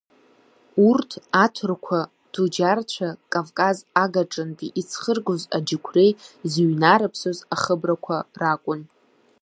Урт, аҭырқу ҭуџьарцәа Кавказ агаҿантәи иӡхыргоз аџьықуреи зыҩнарыԥсоз ахыбрақуа ракун.